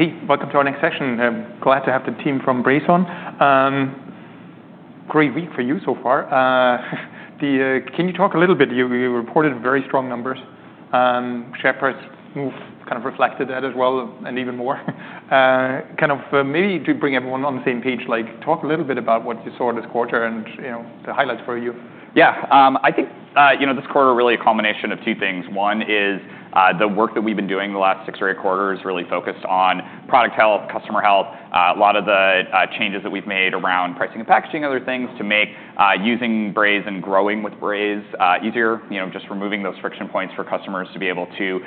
Hey, welcome to our next session. Glad to have the team from Braze on. Great week for you so far. Can you talk a little bit? You reported very strong numbers. share price move kind of reflected that as well, and even more. Kind of, maybe to bring everyone on the same page, like, talk a little bit about what you saw this quarter and, you know, the highlights for you. Yeah. I think, you know, this quarter really a combination of two things. One is the work that we've been doing the last six or eight quarters really focused on product health, customer health, a lot of the changes that we've made around pricing and packaging and other things to make using Braze and growing with Braze easier, you know, just removing those friction points for customers to be able to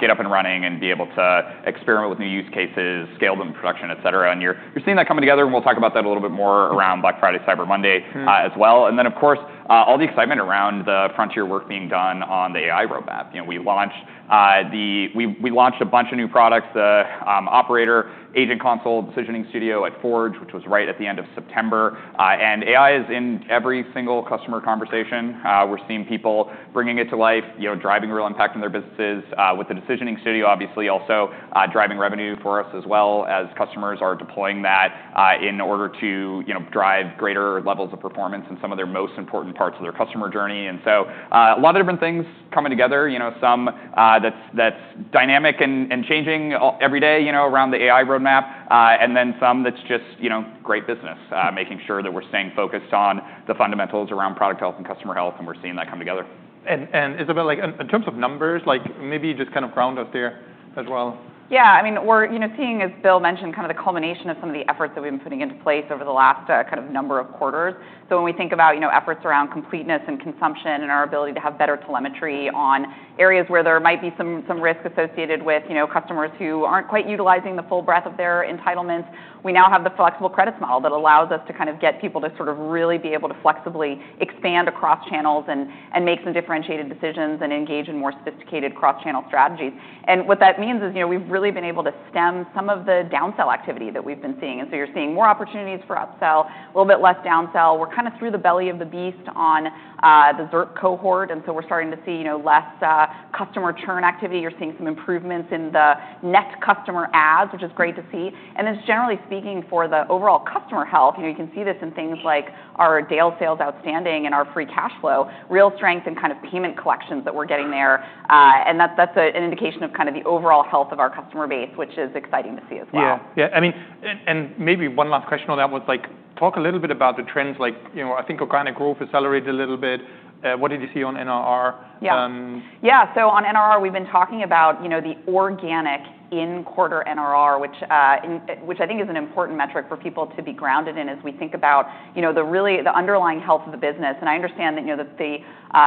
get up and running and be able to experiment with new use cases, scale them in production, etc. And you're seeing that coming together, and we'll talk about that a little bit more around Black Friday, Cyber Monday. Mm-hmm. as well. Then, of course, all the excitement around the frontier work being done on the AI roadmap. You know, we launched a bunch of new products, the Operator, Agent Console, Decisioning Studio at Forge, which was right at the end of September. AI is in every single customer conversation. We're seeing people bringing it to life, you know, driving real impact in their businesses, with the Decisioning Studio, obviously, also driving revenue for us as well as customers are deploying that, in order to, you know, drive greater levels of performance in some of their most important parts of their customer journey. A lot of different things coming together, you know, some that's dynamic and changing every day, you know, around the AI roadmap, and then some that's just, you know, great business, making sure that we're staying focused on the fundamentals around product health and customer health, and we're seeing that come together. Isabelle, like, in terms of numbers, like, maybe just kind of ground us there as well. Yeah. I mean, we're, you know, seeing, as Bill mentioned, kind of the culmination of some of the efforts that we've been putting into place over the last, kind of number of quarters. So when we think about, you know, efforts around completeness and consumption and our ability to have better telemetry on areas where there might be some risk associated with, you know, customers who aren't quite utilizing the full breadth of their entitlements, we now have the flexible credits model that allows us to kind of get people to sort of really be able to flexibly expand across channels and, and make some differentiated decisions and engage in more sophisticated cross-channel strategies. And what that means is, you know, we've really been able to stem some of the downsell activity that we've been seeing. And so you're seeing more opportunities for upsell, a little bit less downsell. We're kind of through the belly of the beast on the ZIRP cohort, and so we're starting to see, you know, less customer churn activity. You're seeing some improvements in the net customer adds, which is great to see. And then, generally speaking, for the overall customer health, you know, you can see this in things like our days sales outstanding and our free cash flow, real strength in kind of payment collections that we're getting there. And that, that's an indication of kind of the overall health of our customer base, which is exciting to see as well. Yeah. Yeah. I mean, and maybe one last question on that was, like, talk a little bit about the trends. Like, you know, I think organic growth accelerated a little bit. What did you see on NRR? Yeah. Yeah. So on NRR, we've been talking about, you know, the organic in-quarter NRR, which I think is an important metric for people to be grounded in as we think about, you know, really, the underlying health of the business. I understand that, you know, the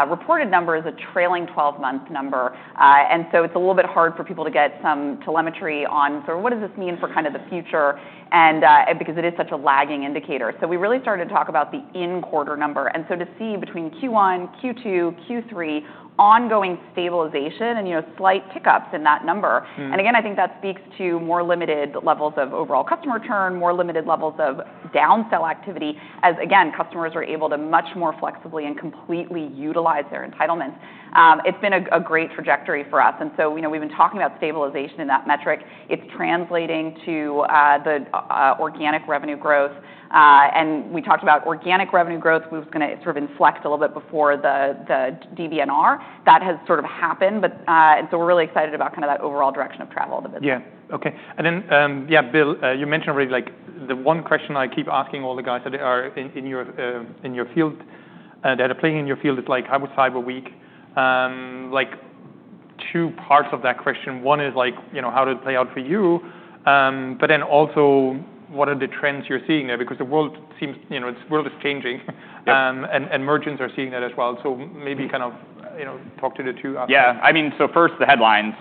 reported number is a trailing 12-month number, and so it's a little bit hard for people to get some telemetry on, sort of, what does this mean for kind of the future, because it is such a lagging indicator, so we really started to talk about the in-quarter number. And so to see between Q1, Q2, Q3, ongoing stabilization and, you know, slight pickups in that number. Mm-hmm. And again, I think that speaks to more limited levels of overall customer churn, more limited levels of downsell activity as, again, customers are able to much more flexibly and completely utilize their entitlements. It's been a great trajectory for us. And so, you know, we've been talking about stabilization in that metric. It's translating to the organic revenue growth. And we talked about organic revenue growth. We was gonna sort of inflect a little bit before the DBNR. That has sort of happened, but, and so we're really excited about kind of that overall direction of travel of the business. Yeah. Okay. And then, yeah, Bill, you mentioned already, like, the one question I keep asking all the guys that are in your field, that are playing in your field is, like, how was Cyber Week? Like, two parts of that question. One is, like, you know, how did it play out for you? But then also, what are the trends you're seeing there? Because the world seems, you know, this world is changing. Yeah. And merchants are seeing that as well. So maybe kind of, you know, talk to the two aspects. Yeah. I mean, so first, the headlines.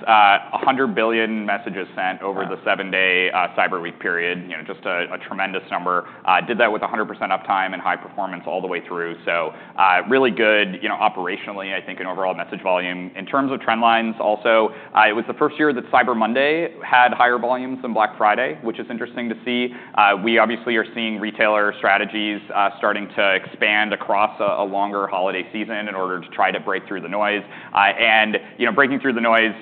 100 billion messages sent over the seven-day Cyber Week period, you know, just a tremendous number. Did that with 100% uptime and high performance all the way through. So, really good, you know, operationally, I think, in overall message volume. In terms of trend lines also, it was the first year that Cyber Monday had higher volumes than Black Friday, which is interesting to see. We obviously are seeing retailer strategies starting to expand across a longer holiday season in order to try to break through the noise, and you know, breaking through the noise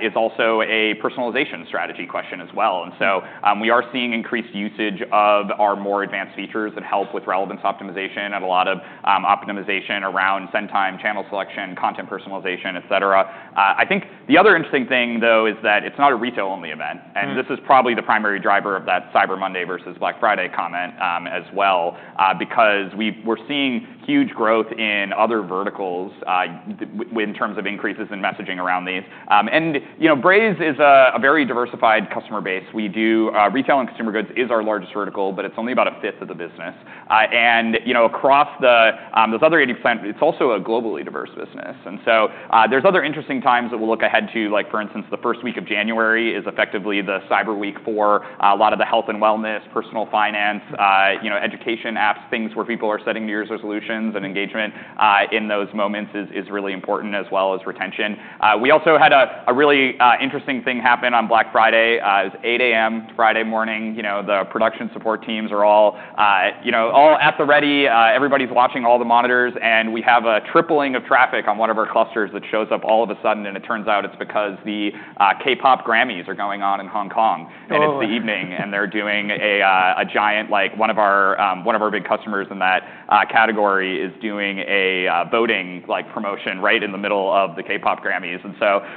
is also a personalization strategy question as well, and so we are seeing increased usage of our more advanced features that help with relevance optimization and a lot of optimization around send time, channel selection, content personalization, etc. I think the other interesting thing, though, is that it's not a retail-only event. Mm-hmm. And this is probably the primary driver of that Cyber Monday versus Black Friday comment, as well, because we were seeing huge growth in other verticals, within terms of increases in messaging around these, and you know, Braze is a very diversified customer base. We do retail and consumer goods is our largest vertical, but it's only about a fifth of the business, and you know, across those other 80%, it's also a globally diverse business. And so, there's other interesting times that we'll look ahead to. Like, for instance, the first week of January is effectively the Cyber Week for a lot of the health and wellness, personal finance, you know, education apps, things where people are setting New Year's resolutions and engagement in those moments is really important as well as retention. We also had a really interesting thing happen on Black Friday. It was 8:00 A.M. Friday morning. You know, the production support teams are all, you know, all at the ready. Everybody's watching all the monitors, and we have a tripling of traffic on one of our clusters that shows up all of a sudden, and it turns out it's because the K-pop Grammys are going on in Hong Kong. Oh, wow. It's the evening, and they're doing a giant, like, one of our big customers in that category is doing a voting, like, promotion right in the middle of the K-pop Grammys.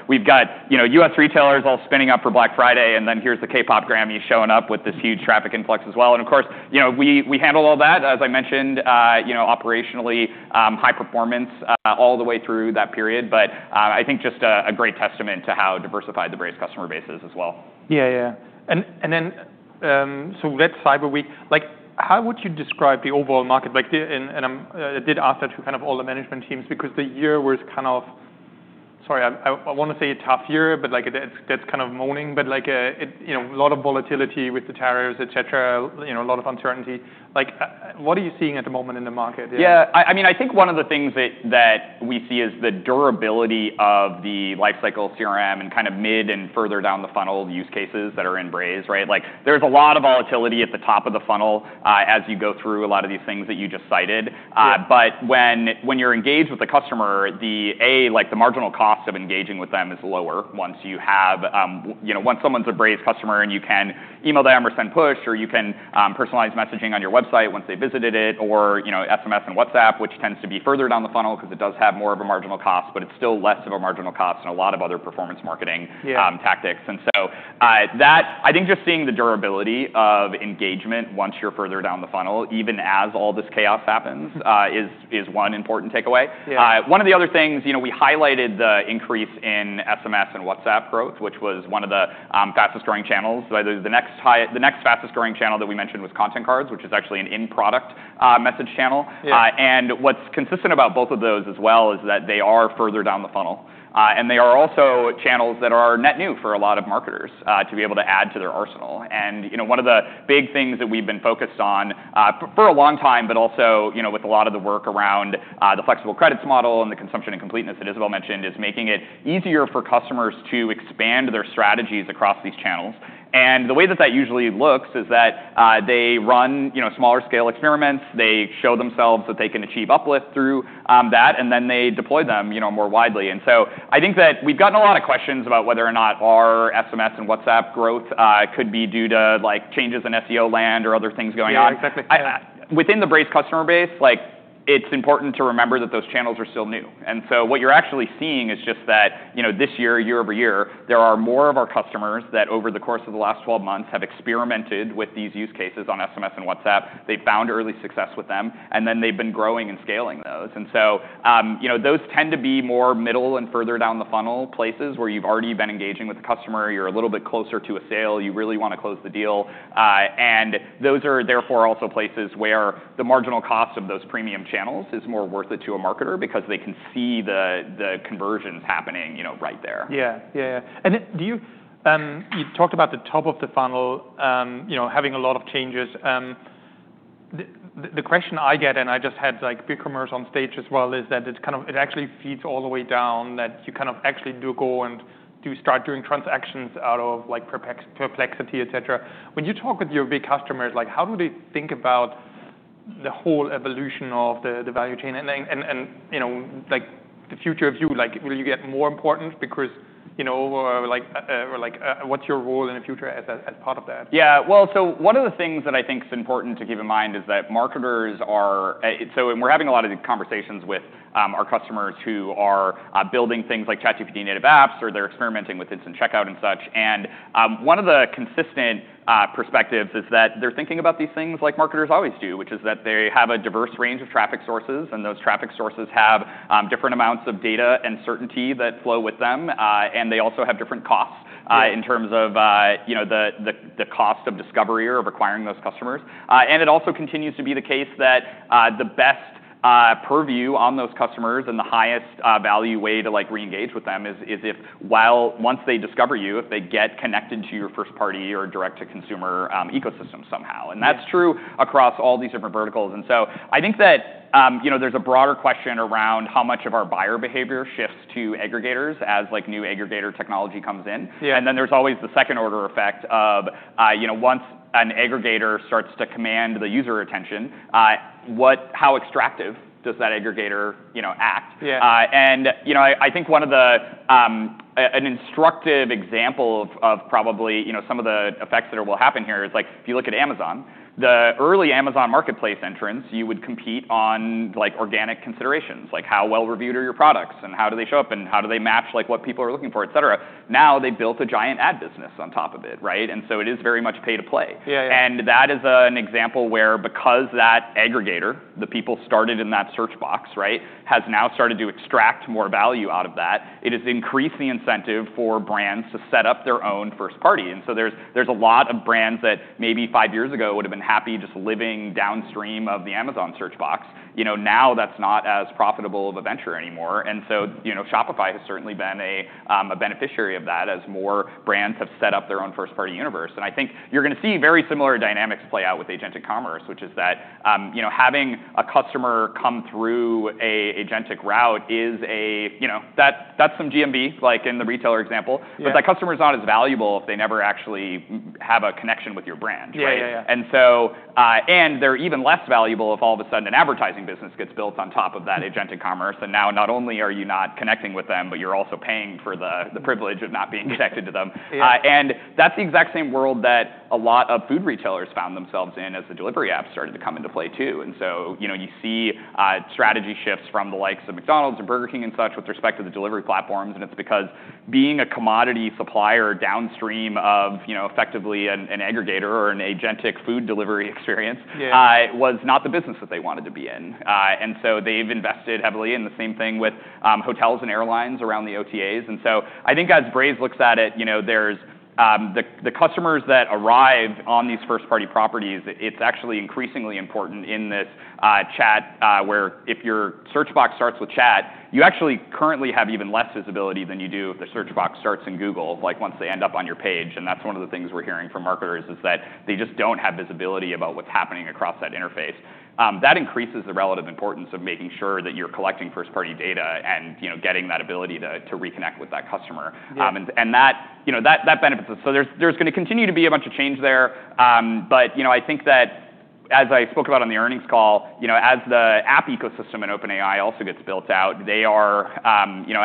We've got, you know, U.S. retailers all spinning up for Black Friday, and then here's the K-pop Grammys showing up with this huge traffic influx as well. Of course, you know, we handle all that, as I mentioned, you know, operationally, high performance, all the way through that period. I think just a great testament to how diversified the Braze customer base is as well. Yeah. Yeah. And then, so that Cyber Week, like, how would you describe the overall market? Like, and I'm, I did ask that to kind of all the management teams because the year was kind of, sorry, I wanna say a tough year, but, like, that's kind of moaning. But, like, you know, a lot of volatility with the tariffs, etc., you know, a lot of uncertainty. Like, what are you seeing at the moment in the market? Yeah. I mean, I think one of the things that we see is the durability of the lifecycle CRM and kind of mid and further down the funnel use cases that are in Braze, right? Like, there's a lot of volatility at the top of the funnel, as you go through a lot of these things that you just cited. Yeah. but when you're engaged with the customer, the, like, the marginal cost of engaging with them is lower once you have, you know, once someone's a Braze customer and you can email them or send push, or you can personalize messaging on your website once they've visited it, or, you know, SMS and WhatsApp, which tends to be further down the funnel 'cause it does have more of a marginal cost, but it's still less of a marginal cost in a lot of other performance marketing. Yeah. tactics. And so, that, I think, just seeing the durability of engagement once you're further down the funnel, even as all this chaos happens, is one important takeaway. Yeah. One of the other things, you know, we highlighted the increase in SMS and WhatsApp growth, which was one of the fastest growing channels. The next fastest growing channel that we mentioned was Content Cards, which is actually an in-product message channel. Yeah. And what's consistent about both of those as well is that they are further down the funnel. And they are also channels that are net new for a lot of marketers, to be able to add to their arsenal. And, you know, one of the big things that we've been focused on, for a long time, but also, you know, with a lot of the work around, the flexible credits model and the consumption and completeness that Isabelle mentioned, is making it easier for customers to expand their strategies across these channels. And the way that that usually looks is that, they run, you know, smaller scale experiments, they show themselves that they can achieve uplift through that, and then they deploy them, you know, more widely. And so I think that we've gotten a lot of questions about whether or not our SMS and WhatsApp growth could be due to, like, changes in SEO land or other things going on. Yeah. Exactly. Within the Braze customer base, like, it's important to remember that those channels are still new. And so what you're actually seeing is just that, you know, this year, year over year, there are more of our customers that over the course of the last 12 months have experimented with these use cases on SMS and WhatsApp. They've found early success with them, and then they've been growing and scaling those. And so, you know, those tend to be more middle and further down the funnel places where you've already been engaging with the customer. You're a little bit closer to a sale. You really wanna close the deal. And those are therefore also places where the marginal cost of those premium channels is more worth it to a marketer because they can see the conversions happening, you know, right there. Yeah. Yeah. Yeah, and do you, you talked about the top of the funnel, you know, having a lot of changes. The question I get, and I just had, like, BigCommerce on stage as well, is that it's kind of, it actually feeds all the way down that you kind of actually do go and do start doing transactions out of, like, Perplexity, etc. When you talk with your big customers, like, how do they think about the whole evolution of the value chain? And you know, like, the future of you, like, will you get more important because, you know, or like, what's your role in the future as a part of that? Yeah. Well, so one of the things that I think's important to keep in mind is that marketers are so we're having a lot of these conversations with our customers who are building things like ChatGPT native apps or they're experimenting with instant checkout and such, and one of the consistent perspectives is that they're thinking about these things like marketers always do, which is that they have a diverse range of traffic sources, and those traffic sources have different amounts of data and certainty that flow with them, and they also have different costs in terms of you know the cost of discovery or of acquiring those customers. And it also continues to be the case that the best purview on those customers and the highest value way to like reengage with them is if while once they discover you, if they get connected to your first-party or direct-to-consumer ecosystem somehow. Yeah. And that's true across all these different verticals. And so I think that, you know, there's a broader question around how much of our buyer behavior shifts to aggregators as, like, new aggregator technology comes in. Yeah. And then there's always the second-order effect of, you know, once an aggregator starts to command the user attention, what, how extractive does that aggregator, you know, act? Yeah. You know, I think an instructive example of probably, you know, some of the effects that will happen here is, like, if you look at Amazon, the early Amazon marketplace entrance. You would compete on, like, organic considerations, like how well-reviewed are your products and how do they show up and how do they match, like, what people are looking for, etc. Now they've built a giant ad business on top of it, right? And so it is very much pay-to-play. Yeah. Yeah. And that is an example where, because that aggregator, the people started in that search box, right, has now started to extract more value out of that. It has increased the incentive for brands to set up their own first-party. And so there's a lot of brands that maybe five years ago would've been happy just living downstream of the Amazon search box. You know, now that's not as profitable of a venture anymore. And so, you know, Shopify has certainly been a beneficiary of that as more brands have set up their own first-party universe. And I think you're gonna see very similar dynamics play out with agentic commerce, which is that, you know, having a customer come through an agentic route is, you know, that's some GMV, like in the retailer example. Yeah. But that customer's not as valuable if they never actually have a connection with your brand, right? Yeah. Yeah. Yeah. And so, and they're even less valuable if all of a sudden an advertising business gets built on top of that agentic commerce. And now not only are you not connecting with them, but you're also paying for the privilege of not being connected to them. Yeah. And that's the exact same world that a lot of food retailers found themselves in as the delivery apps started to come into play too. And so, you know, you see, strategy shifts from the likes of McDonald's and Burger King and such with respect to the delivery platforms. And it's because being a commodity supplier downstream of, you know, effectively an aggregator or an agentic food delivery experience. Yeah. was not the business that they wanted to be in, and so they've invested heavily in the same thing with hotels and airlines around the OTAs. And so I think as Braze looks at it, you know, there's the customers that arrive on these first-party properties. It's actually increasingly important in this chat, where if your search box starts with chat, you actually currently have even less visibility than you do if the search box starts in Google, like once they end up on your page. And that's one of the things we're hearing from marketers is that they just don't have visibility about what's happening across that interface. That increases the relative importance of making sure that you're collecting first-party data and, you know, getting that ability to reconnect with that customer. Yeah. And that, you know, benefits us. So there's gonna continue to be a bunch of change there. But, you know, I think that as I spoke about on the earnings call, you know, as the app ecosystem in OpenAI also gets built out, they are, you know,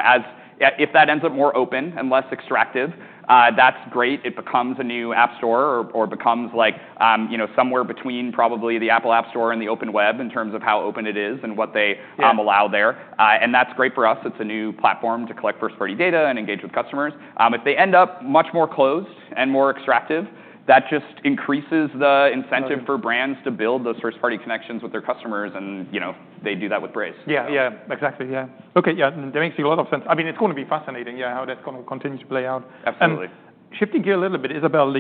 if that ends up more open and less extractive, that's great. It becomes a new app store or becomes like, you know, somewhere between probably the Apple App Store and the open web in terms of how open it is and what they allow there. Yeah. And that's great for us. It's a new platform to collect first-party data and engage with customers. If they end up much more closed and more extractive, that just increases the incentive. Yeah. For brands to build those first-party connections with their customers, and, you know, they do that with Braze. Yeah. Yeah. Exactly. Yeah. Okay. Yeah. That makes a lot of sense. I mean, it's gonna be fascinating, yeah, how that's gonna continue to play out. Absolutely. Shifting gear a little bit, Isabelle.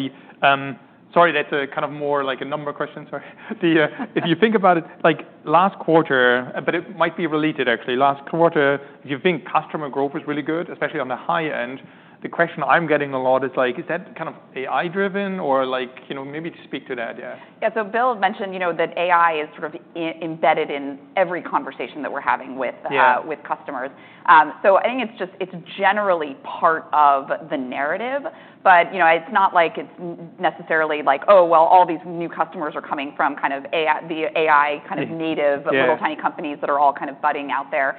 Sorry, that's kind of more like a number question. Sorry. If you think about it, like, last quarter, but it might be related actually. Last quarter, if you think customer growth was really good, especially on the high end, the question I'm getting a lot is like, is that kind of AI-driven or like, you know, maybe to speak to that, yeah? Yeah. So Bill mentioned, you know, that AI is sort of embedded in every conversation that we're having with, Yeah. With customers, so I think it's just, it's generally part of the narrative. But, you know, it's not like it's necessarily like, oh, well, all these new customers are coming from kind of AI, the AI kind of native. Yeah. Little tiny companies that are all kind of budding out there.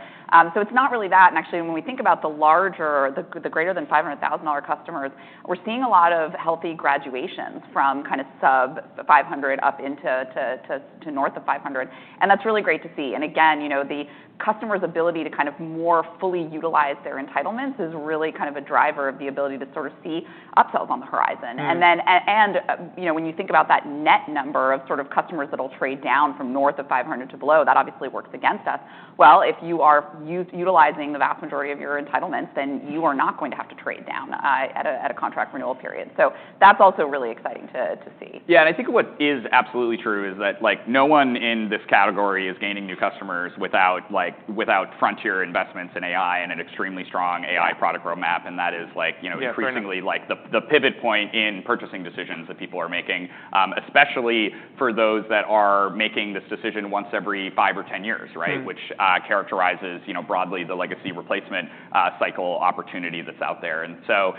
So it's not really that. And actually, when we think about the larger, the greater than $500,000 customers, we're seeing a lot of healthy graduations from kind of sub 500 up into north of 500. And that's really great to see. And again, you know, the customer's ability to kind of more fully utilize their entitlements is really kind of a driver of the ability to sort of see upsells on the horizon. Yeah. You know, when you think about that net number of sort of customers that'll trade down from north of 500 to below, that obviously works against us. If you are utilizing the vast majority of your entitlements, then you are not going to have to trade down at a contract renewal period. That's also really exciting to see. Yeah. And I think what is absolutely true is that, like, no one in this category is gaining new customers without, like, without frontier investments in AI and an extremely strong AI product roadmap. And that is like, you know, increasingly. Yeah. Like the pivot point in purchasing decisions that people are making, especially for those that are making this decision once every five or 10 years, right? Yeah. Which characterizes you know broadly the legacy replacement cycle opportunity that's out there. And so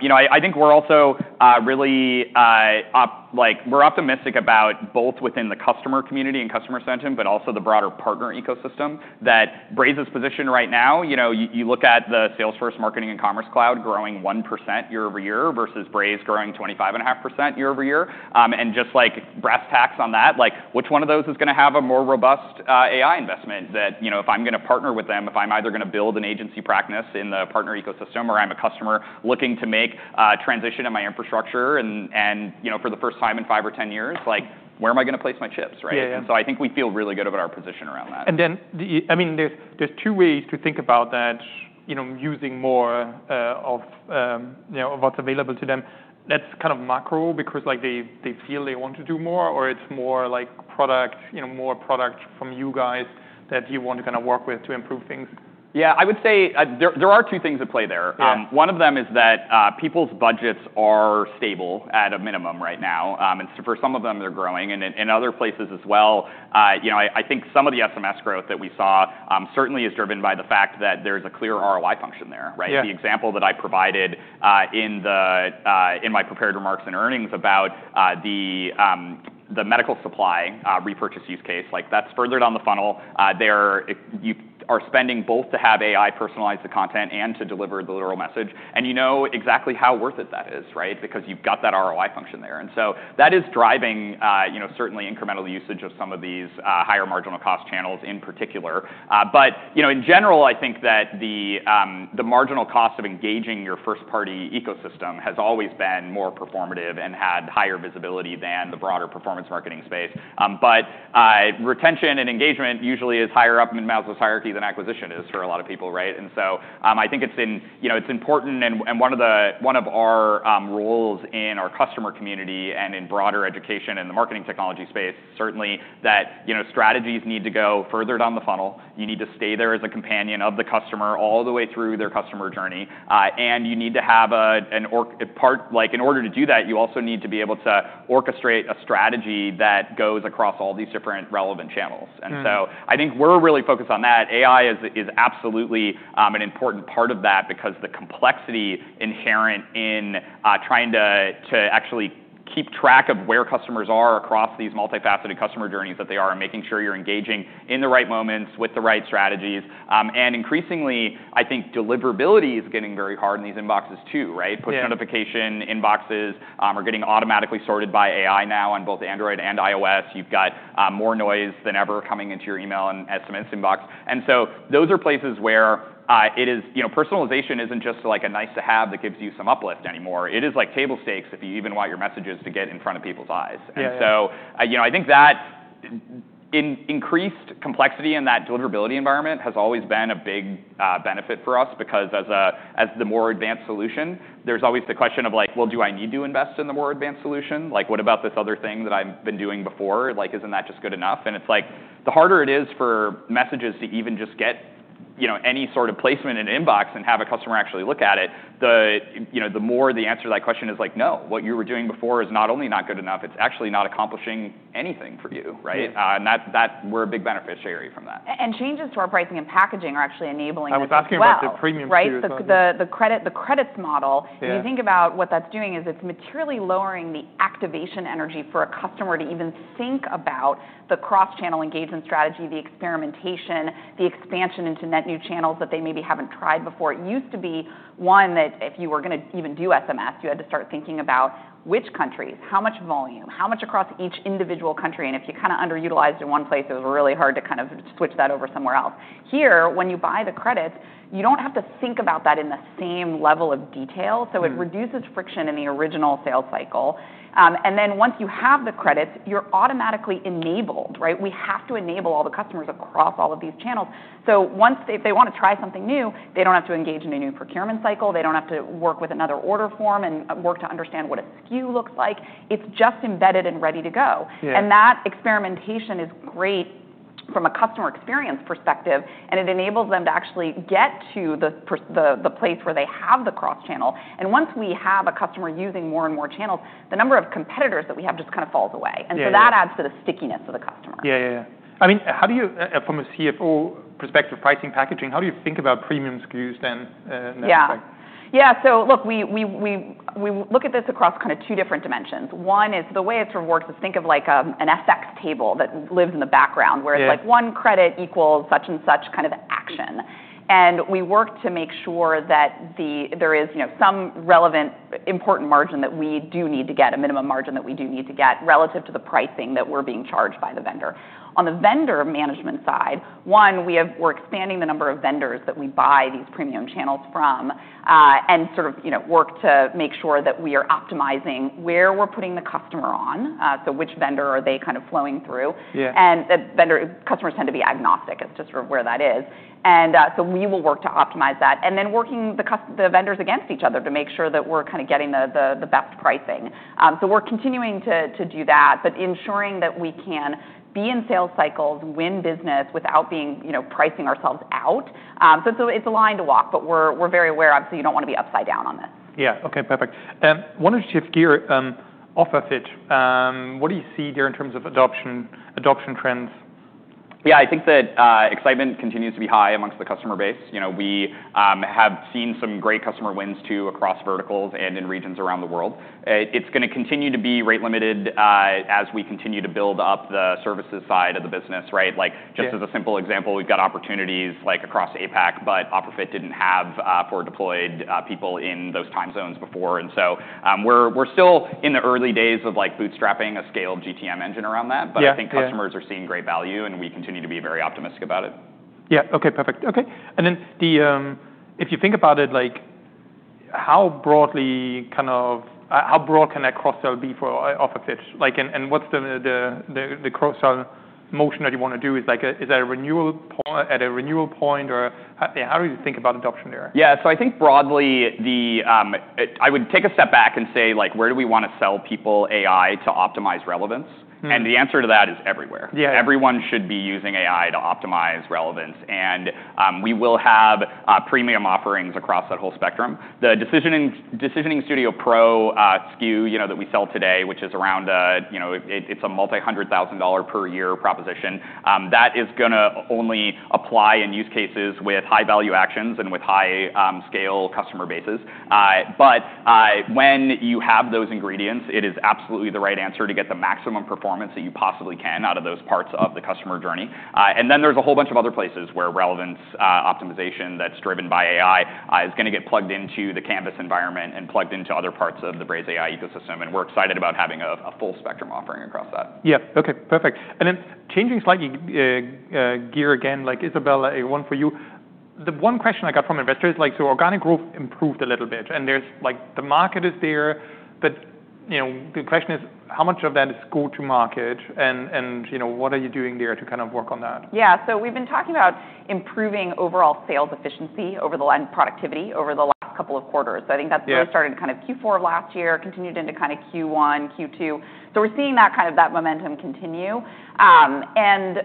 you know I think we're also really optimistic like we're optimistic about both within the customer community and customer sentiment but also the broader partner ecosystem that Braze's position right now. You know you look at the Salesforce Marketing and Commerce Cloud growing 1% year over year versus Braze growing 25.5% year over year, and just like brass tacks on that like which one of those is gonna have a more robust AI investment that you know if I'm gonna partner with them if I'm either gonna build an agency practice in the partner ecosystem or I'm a customer looking to make transition in my infrastructure and you know for the first time in five or ten years like where am I gonna place my chips right? Yeah. Yeah. And so I think we feel really good about our position around that. Do you, I mean, there's two ways to think about that, you know, using more of, you know, what's available to them. That's kind of macro because, like, they feel they want to do more or it's more like product, you know, more product from you guys that you want to kind of work with to improve things? Yeah. I would say, there are two things at play there. Yeah. One of them is that people's budgets are stable at a minimum right now. And so for some of them, they're growing. And in other places as well, you know, I think some of the SMS growth that we saw certainly is driven by the fact that there's a clear ROI function there, right? Yeah. The example that I provided in my prepared remarks and earnings about the medical supply repurchase use case, like, that's further down the funnel. There you are spending both to have AI personalize the content and to deliver the literal message. You know exactly how worth it that is, right? Because you've got that ROI function there, and so that is driving, you know, certainly incremental usage of some of these higher marginal cost channels in particular, but you know, in general, I think that the marginal cost of engaging your first-party ecosystem has always been more performative and had higher visibility than the broader performance marketing space, but retention and engagement usually is higher up in Maslow's hierarchy than acquisition is for a lot of people, right? And so, I think it's, you know, important and one of our roles in our customer community and in broader education in the marketing technology space. Certainly, you know, strategies need to go further down the funnel. You need to stay there as a companion of the customer all the way through their customer journey, and you need to have an important part, like, in order to do that. You also need to be able to orchestrate a strategy that goes across all these different relevant channels. Yeah. And so I think we're really focused on that. AI is absolutely an important part of that because the complexity inherent in trying to actually keep track of where customers are across these multifaceted customer journeys that they are and making sure you're engaging in the right moments with the right strategies. And increasingly, I think deliverability is getting very hard in these inboxes too, right? Yeah. Push notification inboxes are getting automatically sorted by AI now on both Android and iOS. You've got more noise than ever coming into your email and SMS inbox, and so those are places where it is, you know, personalization isn't just like a nice-to-have that gives you some uplift anymore. It is like table stakes if you even want your messages to get in front of people's eyes. Yeah. And so, you know, I think that an increased complexity in that deliverability environment has always been a big benefit for us because as the more advanced solution, there's always the question of like, well, do I need to invest in the more advanced solution? Like, what about this other thing that I've been doing before? Like, isn't that just good enough? And it's like, the harder it is for messages to even just get, you know, any sort of placement in an inbox and have a customer actually look at it, the, you know, the more the answer to that question is like, no, what you were doing before is not only not good enough, it's actually not accomplishing anything for you, right? Yeah. and that we're a big beneficiary from that. Changes to our pricing and packaging are actually enabling. I was asking about the premium price. Right. The credit, the credits model. Yeah. When you think about what that's doing is it's materially lowering the activation energy for a customer to even think about the cross-channel engagement strategy, the experimentation, the expansion into net new channels that they maybe haven't tried before. It used to be one that if you were gonna even do SMS, you had to start thinking about which countries, how much volume, how much across each individual country, and if you kind of underutilized in one place, it was really hard to kind of switch that over somewhere else. Here, when you buy the credits, you don't have to think about that in the same level of detail. Yeah. So it reduces friction in the original sales cycle. And then once you have the credits, you're automatically enabled, right? We have to enable all the customers across all of these channels. So once they, if they wanna try something new, they don't have to engage in a new procurement cycle. They don't have to work with another order form and work to understand what a SKU looks like. It's just embedded and ready to go. Yeah. That experimentation is great from a customer experience perspective, and it enables them to actually get to the place where they have the cross-channel. Once we have a customer using more and more channels, the number of competitors that we have just kind of falls away. Yeah. That adds to the stickiness of the customer. Yeah. Yeah. Yeah. I mean, how do you, from a CFO perspective, pricing packaging, how do you think about premium SKUs then, in that respect? Yeah. So look, we look at this across kind of two different dimensions. One is the way it's reworked is think of like an Excel table that lives in the background where it's like. Yeah. One credit equals such and such kind of action. We work to make sure that there is, you know, some relevant, important margin that we do need to get, a minimum margin that we do need to get relative to the pricing that we're being charged by the vendor. On the vendor management side, we're expanding the number of vendors that we buy these premium channels from, and sort of, you know, work to make sure that we are optimizing where we're putting the customer on. So which vendor are they kind of flowing through? Yeah. The vendors, customers tend to be agnostic as to sort of where that is. We will work to optimize that and then working the vendors against each other to make sure that we're kind of getting the best pricing. We're continuing to do that, but ensuring that we can be in sales cycles, win business without being, you know, pricing ourselves out. It's a line to walk, but we're very aware of, so you don't wanna be upside down on this. Yeah. Okay. Perfect. Wanted to shift gear, off of it. What do you see there in terms of adoption, adoption trends? Yeah. I think that excitement continues to be high among the customer base. You know, we have seen some great customer wins too across verticals and in regions around the world. It's gonna continue to be rate-limited, as we continue to build up the services side of the business, right? Like. Yeah. Just as a simple example, we've got opportunities like across APAC, but OfferFit didn't have, for deployed, people in those time zones before. And so, we're still in the early days of like bootstrapping a scaled GTM engine around that. Yeah. But I think customers are seeing great value and we continue to be very optimistic about it. Yeah. Okay. Perfect. Okay. And then, if you think about it, like, how broadly, kind of, how broad can that cross-sell be for OfferFit? Like, and what's the cross-sell motion that you wanna do? Is that a renewal PO at a renewal point or how do you think about adoption there? Yeah, so I think broadly, I would take a step back and say, like, where do we wanna sell people AI to optimize relevance? Mm-hmm. The answer to that is everywhere. Yeah. Everyone should be using AI to optimize relevance, and we will have premium offerings across that whole spectrum. The Decisioning Studio Pro SKU, you know, that we sell today, which is around, you know, it's a multi-hundred-thousand-dollar per year proposition. That is gonna only apply in use cases with high-value actions and with high-scale customer bases, but when you have those ingredients, it is absolutely the right answer to get the maximum performance that you possibly can out of those parts of the customer journey, and then there's a whole bunch of other places where relevance optimization that's driven by AI is gonna get plugged into the Canvas environment and plugged into other parts of the Braze AI ecosystem, and we're excited about having a full spectrum offering across that. Yeah. Okay. Perfect. And then, changing gear slightly again—like, Isabelle, one for you. The one question I got from investors is like, so organic growth improved a little bit and there's like, the market is there, but, you know, the question is how much of that is go-to-market and, you know, what are you doing there to kind of work on that? Yeah. We've been talking about improving overall sales efficiency and productivity over the last couple of quarters. Yeah. So I think that's really started in kind of Q4 of last year, continued into kind of Q1, Q2. So we're seeing that kind of momentum continue. Yeah. And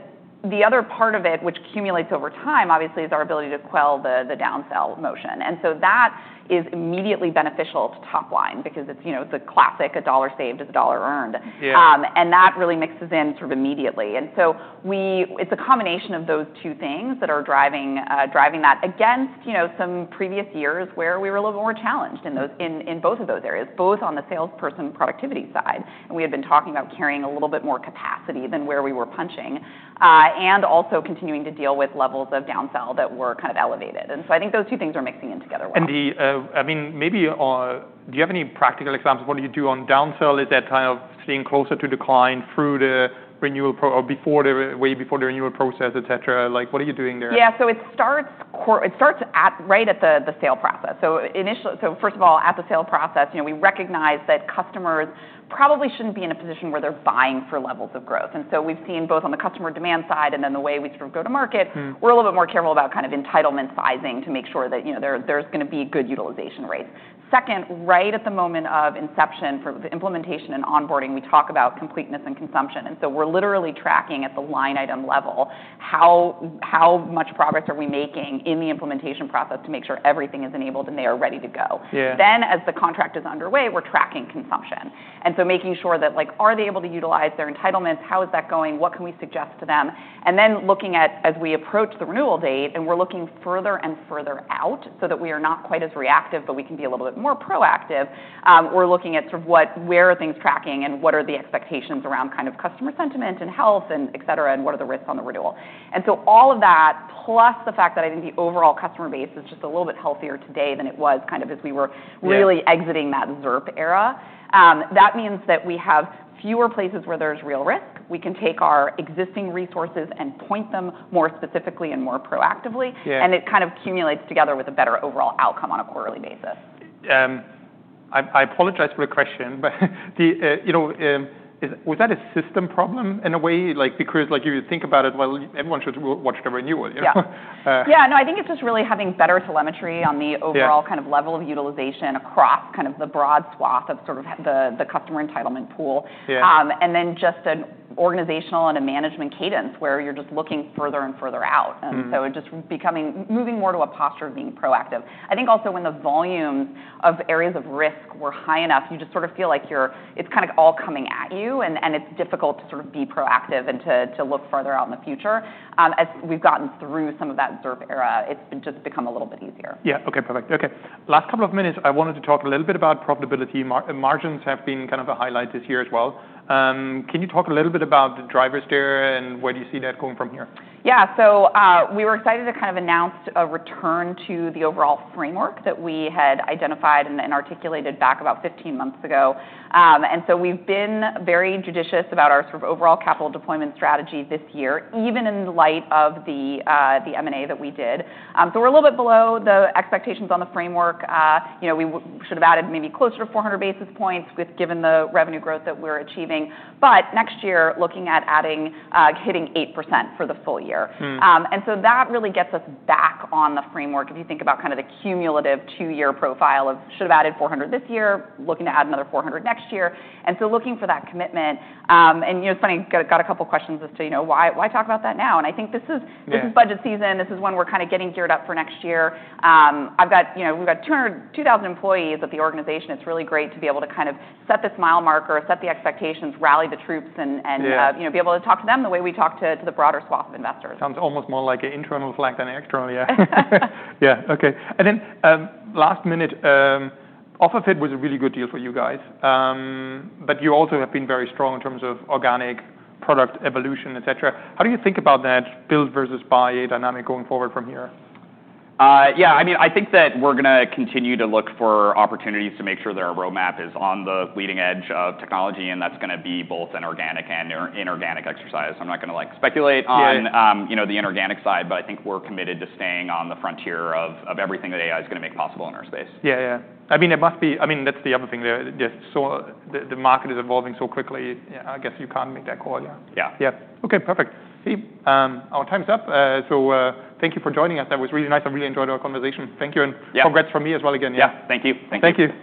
the other part of it, which cumulates over time, obviously, is our ability to quell the downsell motion. And so that is immediately beneficial to top line because it's, you know, it's a classic, a dollar saved is a dollar earned. Yeah. And that really mixes in sort of immediately. And so we, it's a combination of those two things that are driving that against, you know, some previous years where we were a little more challenged in those, in both of those areas, both on the salesperson productivity side. And we had been talking about carrying a little bit more capacity than where we were punching, and also continuing to deal with levels of downsell that were kind of elevated. And so I think those two things are mixing in together well. I mean, maybe, do you have any practical examples? What do you do on downsell? Is that kind of sitting closer to the client through the renewal pro or before the, way before the renewal process, et cetera? Like, what are you doing there? Yeah. It starts right at the sales process. Initially, first of all, at the sales process, you know, we recognize that customers probably shouldn't be in a position where they're buying for levels of growth. We've seen both on the customer demand side and then the way we sort of go to market. Mm-hmm. We're a little bit more careful about kind of entitlement sizing to make sure that, you know, there's gonna be good utilization rates. Second, right at the moment of inception for the implementation and onboarding, we talk about completeness and consumption, and so we're literally tracking at the line item level how much progress are we making in the implementation process to make sure everything is enabled and they are ready to go. Yeah. Then as the contract is underway, we're tracking consumption, and so making sure that, like, are they able to utilize their entitlements? How is that going? What can we suggest to them, and then looking at, as we approach the renewal date and we're looking further and further out so that we are not quite as reactive, but we can be a little bit more proactive, we're looking at sort of what, where are things tracking and what are the expectations around kind of customer sentiment and health and et cetera, and what are the risks on the renewal, and so all of that, plus the fact that I think the overall customer base is just a little bit healthier today than it was kind of as we were really exiting that ZIRP era, that means that we have fewer places where there's real risk. We can take our existing resources and point them more specifically and more proactively. Yeah. It kind of culminates together with a better overall outcome on a quarterly basis. I apologize for the question, but you know, was that a system problem in a way? Like, because like if you think about it, well, everyone should watch the renewal, you know? Yeah. Yeah. No, I think it's just really having better telemetry on the overall kind of level of utilization across kind of the broad swath of sort of the customer entitlement pool. Yeah. and then just an organizational and a management cadence where you're just looking further and further out. Yeah. And so just becoming, moving more to a posture of being proactive. I think also when the volumes of areas of risk were high enough, you just sort of feel like you're, it's kind of all coming at you and, and it's difficult to sort of be proactive and to, to look further out in the future. As we've gotten through some of that ZIRP era, it's been just become a little bit easier. Yeah. Okay. Perfect. Okay. Last couple of minutes, I wanted to talk a little bit about profitability. Margins have been kind of a highlight this year as well. Can you talk a little bit about the drivers there and where do you see that going from here? Yeah. So, we were excited to kind of announce a return to the overall framework that we had identified and articulated back about 15 months ago. And so we've been very judicious about our sort of overall capital deployment strategy this year, even in light of the M&A that we did. So we're a little bit below the expectations on the framework. You know, we should have added maybe closer to 400 basis points, given the revenue growth that we're achieving. But next year, looking at adding, hitting 8% for the full year. Mm-hmm. And so that really gets us back on the framework. If you think about kind of the cumulative two-year profile of should have added 400 this year, looking to add another 400 next year. And so looking for that commitment, and, you know, it's funny, got a couple questions as to, you know, why talk about that now? And I think this is. Yeah. This is budget season. This is when we're kind of getting geared up for next year. I've got, you know, we've got 200, 2,000 employees at the organization. It's really great to be able to kind of set this mile marker, set the expectations, rally the troops and. Yeah. You know, be able to talk to them the way we talk to the broader swath of investors. Sounds almost more like an internal flag than an external. Yeah. Yeah. Okay. And then, last minute, OfferFit was a really good deal for you guys, but you also have been very strong in terms of organic product evolution, et cetera. How do you think about that build versus buy dynamic going forward from here? Yeah. I mean, I think that we're gonna continue to look for opportunities to make sure that our roadmap is on the leading edge of technology, and that's gonna be both an organic and inorganic exercise. I'm not gonna like speculate on. Yeah. You know, the inorganic side, but I think we're committed to staying on the frontier of everything that AI is gonna make possible in our space. Yeah. Yeah. I mean, it must be, I mean, that's the other thing there. Just so the market is evolving so quickly, yeah, I guess you can't make that call. Yeah. Yeah. Yeah. Okay. Perfect. Hey, our time's up. So, thank you for joining us. That was really nice. I really enjoyed our conversation. Thank you and. Yeah. Congrats from me as well again. Yeah. Yeah. Thank you. Thank you. Thank you.